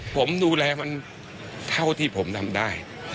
ผมดูแลมันเท่าที่ผมทำได้